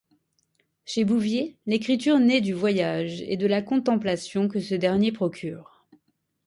Chez Bouvier, l'écriture naît du voyage et de la contemplation que ce dernier procure.